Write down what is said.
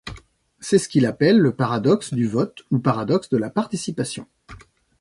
C'est ce qu'il appelle le paradoxe du vote ou paradoxe de la participation.